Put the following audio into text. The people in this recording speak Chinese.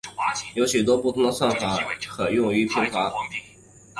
有许多不同的算法可用于平滑。